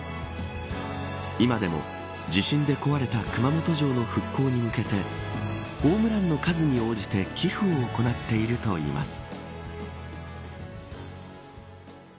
今でも、地震で壊れた熊本城の復興に向けてホームランの数に応じて寄付を行っているといいます。